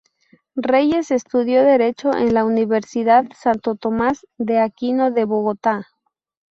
Reyes estudió derecho en la Universidad Santo Tomás de Aquino de Bogotá.